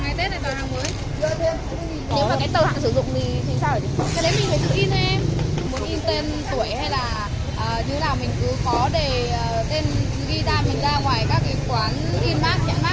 muốn in tên tuổi hay là như nào mình cứ có để tên ghi ra mình ra ngoài các cái quán in bác nhận bác thì người ta sẽ ghi cho mình